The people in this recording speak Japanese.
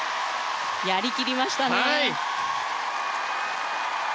やり切りましたね。